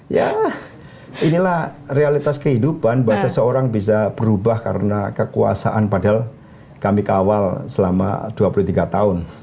ya inilah realitas kehidupan bahwa seseorang bisa berubah karena kekuasaan padahal kami kawal selama dua puluh tiga tahun